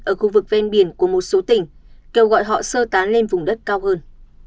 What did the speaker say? ở khu vực ven biển của một số tỉnh kêu gọi họ sơ tán lên vùng đất cao hơn